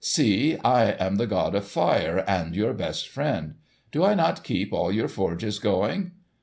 "See, I am the god of fire, and your best friend. Do I not keep all your forges going?"